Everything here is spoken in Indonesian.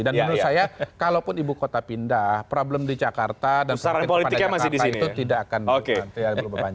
dan menurut saya kalaupun ibu kota pindah problem di jakarta dan problem di jakarta itu tidak akan berubah